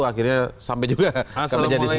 akhirnya sampai juga